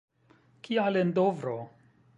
Kial en Dovro?